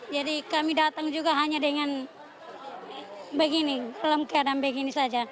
jadi kami datang juga hanya dengan begini dalam keadaan begini saja